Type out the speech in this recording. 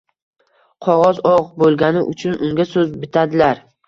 Qog’oz oq bo’lgani uchun unga So’z bitadilar.